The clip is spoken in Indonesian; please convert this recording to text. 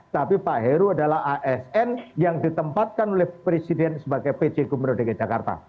tapi pak heru adalah asn yang ditempatkan oleh presiden sebagai pj gubernur dki jakarta